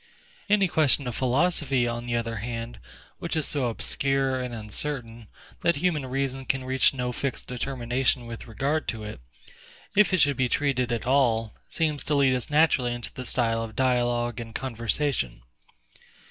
Any question of philosophy, on the other hand, which is so OBSCURE and UNCERTAIN, that human reason can reach no fixed determination with regard to it; if it should be treated at all, seems to lead us naturally into the style of dialogue and conversation.